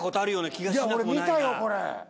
いや俺見たよこれ。